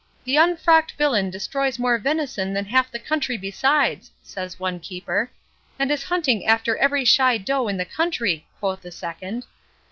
'The unfrocked villain destroys more venison than half the country besides,' says one keeper; 'And is hunting after every shy doe in the country!' quoth a second.